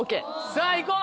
さぁいこう！